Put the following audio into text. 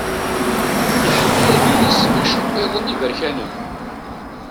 Iḥemmel ad iles iceṭṭiḍen iberkanen.